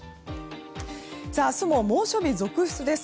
明日も猛暑日続出です。